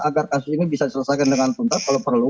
agar kasus ini bisa diselesaikan dengan tuntas kalau perlu